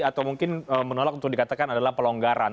atau mungkin menolak untuk dikatakan adalah pelonggaran